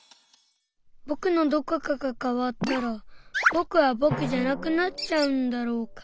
ぼくのどこかが変わったらぼくはぼくじゃなくなっちゃうんだろうか？